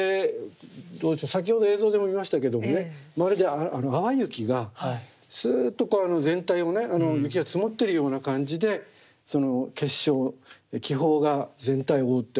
先ほど映像でも見ましたけどもねまるで淡雪がすっと全体をね雪が積もってるような感じでその結晶気泡が全体を覆っておりまして。